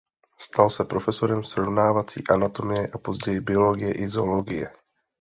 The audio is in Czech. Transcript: Stal se profesorem srovnávací anatomie a později biologie i zoologie.